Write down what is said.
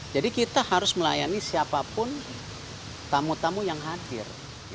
jadi kita harus melayani siapapun tamu tamu yang hadir